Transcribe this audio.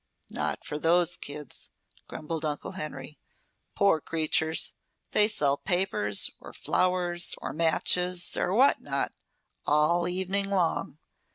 "Not for those kids," grumbled Uncle Henry. "Poor creatures. They sell papers, or flowers, or matches, or what not, all evening long.